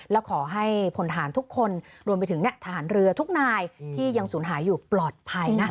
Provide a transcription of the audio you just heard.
และขอให้พลทหารทุกคนรวมไปถึงทหารเรือทุกนายที่ยังสูญหายอยู่ปลอดภัยนะคะ